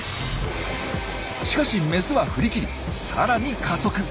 しかしメスは振り切りさらに加速。